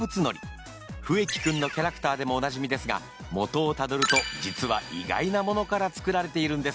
フエキくんのキャラクターでもおなじみですがモトをタドルと実は意外なものから作られているんです。